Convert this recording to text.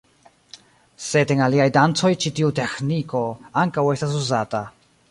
Sed en aliaj dancoj ĉi tiu teĥniko ankaŭ estas uzata.